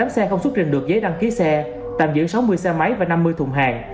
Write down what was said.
tám xe không xuất trình được giấy đăng ký xe tạm giữ sáu mươi xe máy và năm mươi thùng hàng